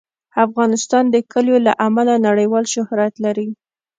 افغانستان د کلیو له امله نړیوال شهرت لري.